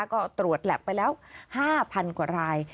ก็ตรวจแล็บไปแล้ว๕๐๐กว่าราย